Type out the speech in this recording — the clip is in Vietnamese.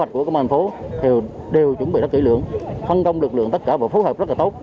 tất cả lực lượng của công an thành phố đều chuẩn bị rất kỹ lưỡng phân công lực lượng tất cả và phối hợp rất tốt